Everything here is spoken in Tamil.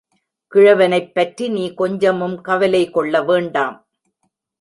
கிழவனைப் பற்றி நீ கொஞ்சமும் கவலைகொள்ள வேண்டாம்.